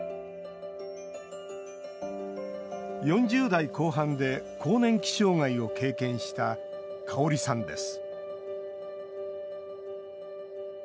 ４０代後半で更年期障害を経験したカオリさんです